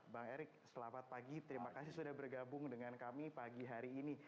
bang erik selamat pagi terima kasih sudah bergabung dengan kami pagi hari ini